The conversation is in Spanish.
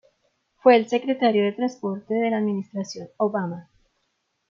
Fue el Secretario de Transporte de la Administración Obama.